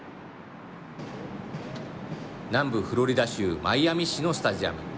南部フロリダ州マイアミ市のスタジアム。